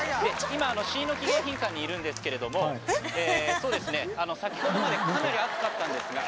今しいのき迎賓館にいるんですけれども先ほどまでかなり暑かったんですが。